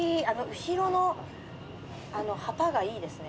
後ろの旗がいいですね。